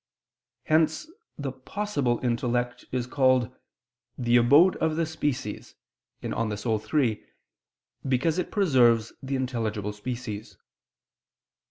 Hence the "possible" intellect is called "the abode of the species" (De Anima iii) because it preserves the intelligible species.